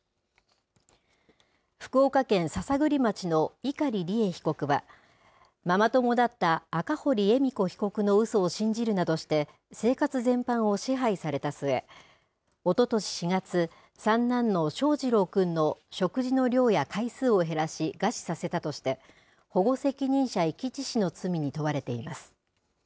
福岡県篠栗町の碇利恵被告は、ママ友だった赤堀恵美子被告のうそを信じるなどして、生活全般を支配された末、おととし４月、３男の翔士郎くんの食事の量や回数を減らし餓死させたとして、保護責任者遺棄致死の罪に問われています。